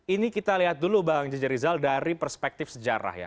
ini kita lihat dulu bang jj rizal dari perspektif sejarah ya